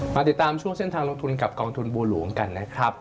ติดตามช่วงเส้นทางลงทุนกับกองทุนบัวหลวงกันนะครับ